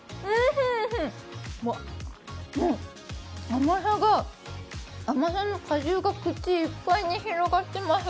甘さが、甘さの果汁が口いっぱいに広がってます。